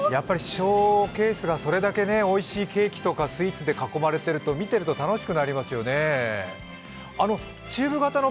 ショーケースがそれだけおいしいスイーツとかケーキで囲まれていると見てると楽しくなりますよね。